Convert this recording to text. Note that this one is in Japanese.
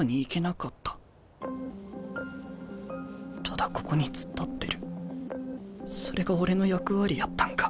ただここに突っ立ってるそれが俺の役割やったんか。